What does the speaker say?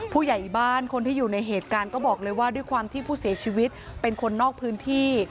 ผู้ใหญ่บ้านคนที่อยู่ในเหตุการณ์ก็บอกเลยว่าด้วยความที่ผู้เสียชีวิตเป็นคนนอกพื้นที่